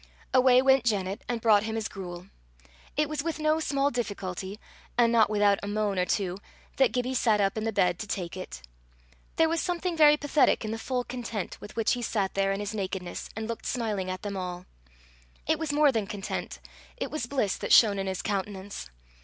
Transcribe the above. Away went Janet, and brought him his gruel. It was with no small difficulty and not without a moan or two, that Gibbie sat up in the bed to take it. There was something very pathetic in the full content with which he sat there in his nakedness, and looked smiling at them all. It was more than content it was bliss that shone in his countenance.